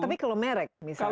tapi kalau merk misalnya